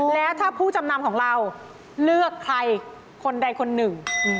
แล้วถ้าผู้จำนำของเราเลือกใครคนใดคนหนึ่ง